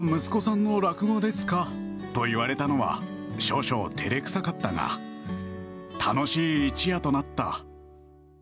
店員さんにまた息子さんの落語ですか？と言われたのは少々照れ臭かったが楽しい一夜となった。